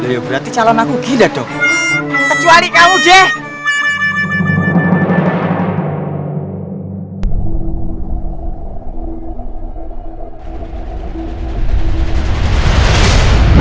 ya berarti calon aku gila dong kecuali kamu jahat